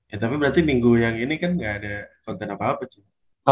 ya tapi berarti minggu yang ini kan gak ada konten apa apa sih